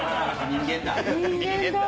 人間だ。